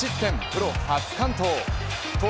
プロ初完投。